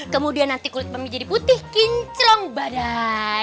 kemudian nanti kulit mami jadi putih kinclong badai